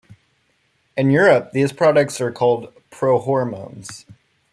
In Europe these products are called prohormones.